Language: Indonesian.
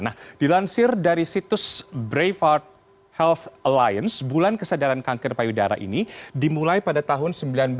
nah dilansir dari situs brevard health aliance bulan kesadaran kanker payudara ini dimulai pada tahun seribu sembilan ratus sembilan puluh